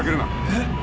えっ！？